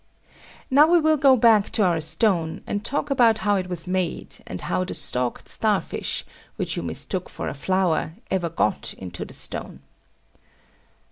Now we will go back to our stone, and talk about how it was made, and how the stalked star fish, which you mistook for a flower, ever got into the stone.